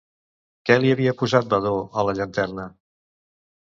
Què li havia posat Vadó a la llanterna?